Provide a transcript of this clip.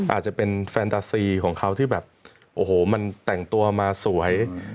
อาจจะเป็นแฟนตาซีของเขาที่แบบโอ้โหมันแต่งตัวมาสวย